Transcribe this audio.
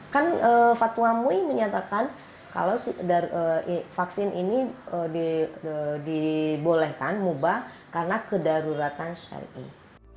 kan fatwa mui menyatakan kalau vaksin ini dibolehkan mubah karena kedaruratan syariah